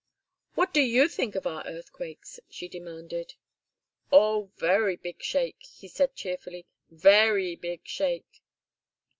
"What do you think of our earthquakes?" she demanded. "Oh, very big shake," he said, cheerfully. "Very big shake."